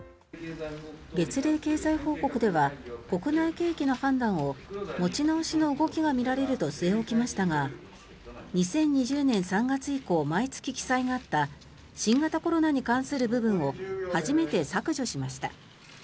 月例経済報告では国内景気の判断を持ち直しの動きが見られると据え置きましたが２０２０年３月以降毎月記載があった新型コロナに関する部分を初めて削除しました。